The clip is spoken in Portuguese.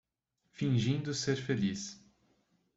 Fingindo ser feliz